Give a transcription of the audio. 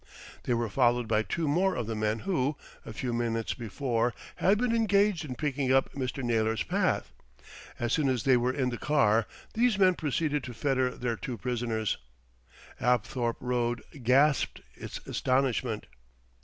They were followed by two more of the men who, a few minutes before, had been engaged in picking up Mr. Naylor's path. As soon as they were in the car, these men proceeded to fetter their two prisoners. Apthorpe Road gasped its astonishment.